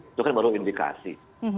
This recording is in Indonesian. itu kan baru indikasi